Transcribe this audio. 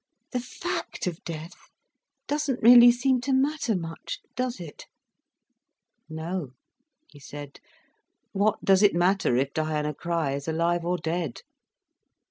"The fact of death doesn't really seem to matter much, does it?" "No," he said. "What does it matter if Diana Crich is alive or dead?"